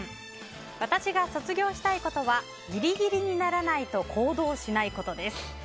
私が卒業したいことはギリギリにならないと行動しないことです。